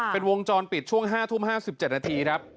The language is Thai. เป็นวงจรปิดช่วง๕ทุ่ม๕๗นาทีครับ